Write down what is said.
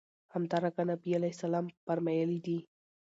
همدرانګه نبي عليه السلام فرمايلي دي